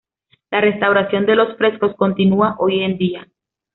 La restauración de los frescos continua hoy en día.